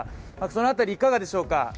その辺り、いかがでしょうか？